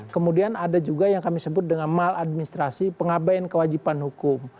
kemudian ada juga yang kami sebut dengan maladministrasi pengabaian kewajiban hukum